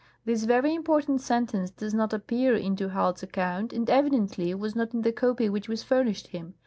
This very impor tant sentence does not appear in du Halde's account, and evi dently was not in the copy which was furnished him.